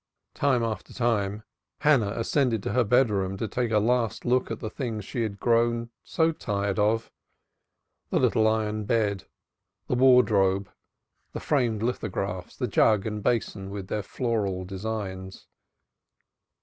Time after time Hannah ascended to her bedroom to take a last look at the things she had grown so tired of the little iron bed, the wardrobe, the framed lithographs, the jug and basin with their floral designs.